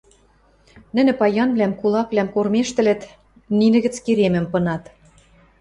Нӹнӹ паянвлӓм, кулаквлӓм кормежтӹлӹт, нинӹ гӹц керемӹм пынат.